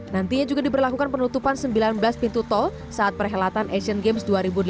nantinya juga diberlakukan penutupan sembilan belas pintu tol saat perhelatan asian games dua ribu delapan belas